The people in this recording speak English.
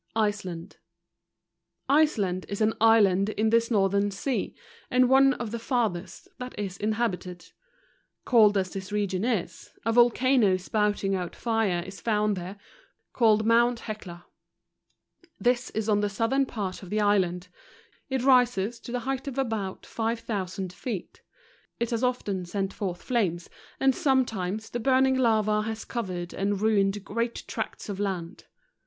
Iceland . Iceland is an island in this northern sea, and one of the farthest that is inhabited. Cold as this region is, a volcano spouting out fire is found there, called mount Hecla. This is on the southern part of the island ; it rises to the height of about 5000 feet. It has often sent forth flames, and sometimes the burning lava has co¬ vered and ruined great tracts of land.